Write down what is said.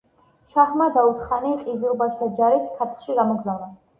შაჰმა დაუთ-ხანი ყიზილბაშთა ჯარით ქართლში გამოგზავნა.